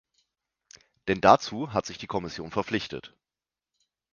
Denn dazu hat sich die Kommission verpflichtet.